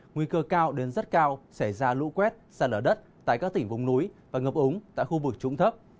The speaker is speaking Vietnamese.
nguy cơ cao đến rất cao xảy ra lũ quét xa lở đất tại các tỉnh vùng núi và ngập úng tại khu vực trúng thấp